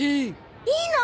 いいの？